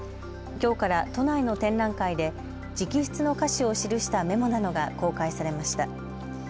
きょうから都内の展覧会で直筆の歌詞を記したメモなどが公開されました。